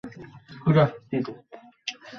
দাঁড়াও, এটা বেশ মজার।